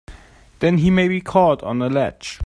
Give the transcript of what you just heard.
Then he may be caught on a ledge!